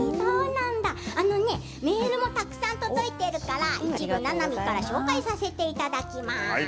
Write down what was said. あのね、メールもたくさん届いているからななみからご紹介させていただきます。